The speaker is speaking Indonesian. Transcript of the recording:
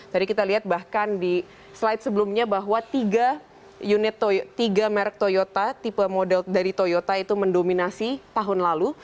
tadi kita lihat bahkan di slide sebelumnya bahwa tiga merek toyota tipe model dari toyota itu mendominasi tahun lalu